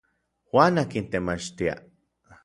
Juan akin temachtia.